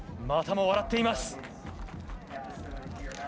またも笑っています。